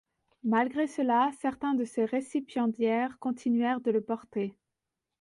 Malgré cela, certains de ses récipiendaires continuèrent de le porter.